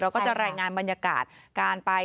ก็จะรายงานบรรยากาศการไป